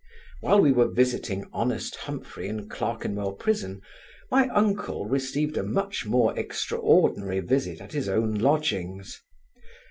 While we were visiting honest Humphry in Clerkenwell prison, my uncle received a much more extraordinary visit at his own lodgings.